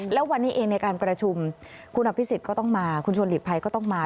แล้ววันนี้เองในการประชุมคุณอภิษฎก็ต้องมาคุณชวนหลีกภัยก็ต้องมา